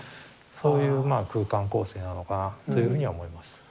そういうまあ空間構成なのかなというふうには思います。